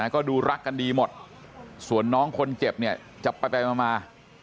ก็ดูรักกันดีหมดส่วนน้องคนเจ็บเนี่ยจับไปมา